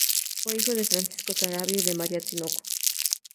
Fue hijo de Francisco Sarabia y de María Tinoco.